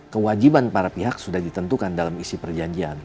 kewajiban para pihak sudah ditentukan dalam isi perjanjian